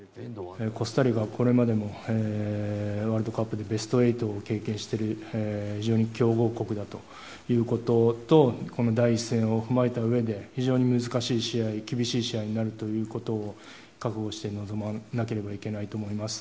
コスタリカはこれまでのワールドカップでベスト８を経験している非常に強豪国だということとこの第１戦を踏まえたうえで非常に難しい試合厳しい試合になるということを覚悟しておかなければならないと思います。